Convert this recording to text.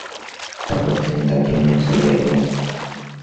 তারপর তিনি তাকে নিয়ে চলে এলেন।